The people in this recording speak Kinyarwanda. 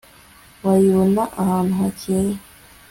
wayibona ahantu hakeye